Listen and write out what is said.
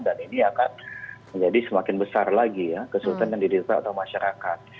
dan ini akan menjadi semakin besar lagi kesulitan yang didetakkan masyarakat